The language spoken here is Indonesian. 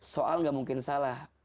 soal gak mungkin salah